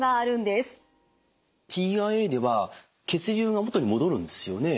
ＴＩＡでは血流が元に戻るんですよね？